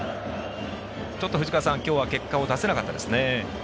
ちょっと藤川さん、今日は結果を出せなかったですね。